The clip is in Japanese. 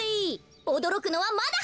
おどろくのはまだはやい。